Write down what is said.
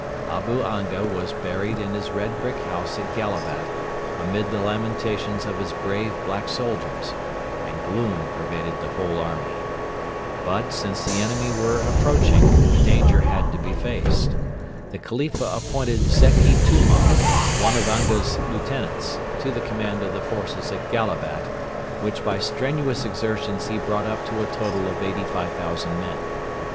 Abu Anga was buried in his red brick house at Gallabat amid the lamentations of his brave black soldiers, and gloom pervaded the whole army. But, since the enemy were approaching, the danger had to be faced. The Khalifa appointed Zeki Tummal, one of Anga's lieutenants, to the command of the forces at Gallabat, which by strenuous exertions he brought up to a total of 85,000 men.